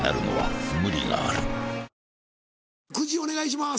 久慈お願いします。